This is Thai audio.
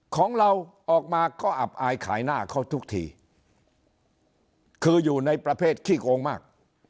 ของเราออกมาก็อับอายขายหน้าเขาทุกทีคืออยู่ในประเภทขี้โกงมาก